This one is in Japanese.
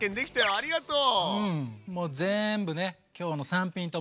ありがとう！